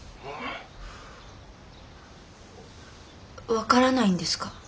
分からないんですか？